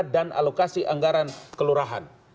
dan alokasi anggaran kelurahan